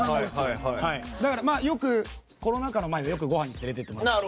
だから、よくコロナ禍の前はご飯に連れて行ってもらって。